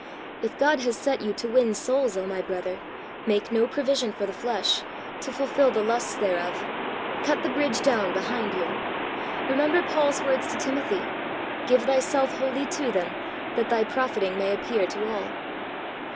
If God has set you to win souls, O my brother, make no provision for the flesh, to fulfil the lusts thereof. Cut the bridge down behind you. Remember Paul's words to Timothy: "Give thyself wholly to them, that thy profiting may appear to all."